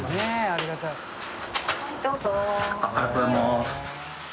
ありがとうございます。